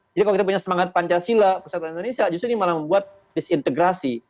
jadi kalau kita punya semangat pancasila peserta indonesia justru ini malah membuat disintegrasi